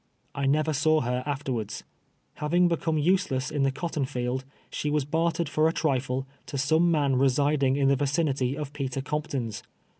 I never saw her afterwards. Having become useless in the cotton field, she was bartered for a trifle, to some man residing in the vicinity of Peter Compton's.